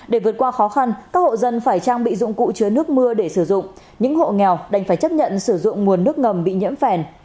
để vượt qua khó khăn các hộ dân phải trang bị dụng cụ chứa nước mưa để sử dụng những hộ nghèo đành phải chấp nhận sử dụng nguồn nước ngầm bị nhiễm phèn